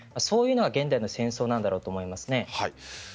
そういうのが現代の戦争なんだと思います。